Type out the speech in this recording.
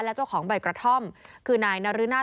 และเจ้าของใบกระท่อมคือนายนรนาศ